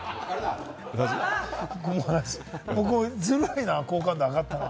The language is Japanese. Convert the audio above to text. ずるいな、好感度上がった。